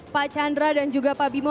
pak chandra dan juga pak bimo